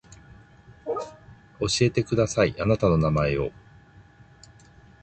教えてくださいあなたの名前を